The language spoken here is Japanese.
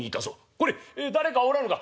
これ誰かおらぬか。